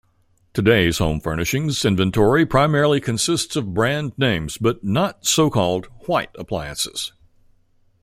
Today's home-furnishings inventory primarily consists of brand names but not so-called white appliances.